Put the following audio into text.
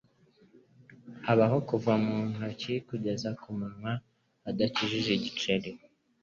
Abaho kuva mu ntoki kugeza ku munwa adakijije igiceri.